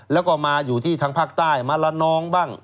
แล้วก็มาอยู่ที่ทางภาคใต้มาละนองบ้าง